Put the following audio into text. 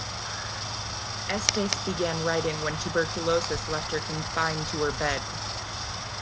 Estes began writing when tuberculosis left her confined to her bed.